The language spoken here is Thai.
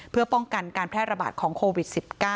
เพื่อป้องกันการแพร่ระบาดของโควิด๑๙